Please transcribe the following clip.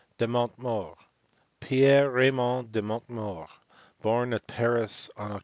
De Montmort, Pierre Raymond de Montmort, born at Paris on Oct.